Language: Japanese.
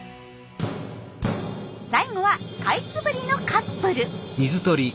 最後はカイツブリのカップル。